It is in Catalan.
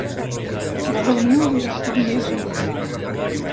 La reunió ha durat poc més de mitja hora.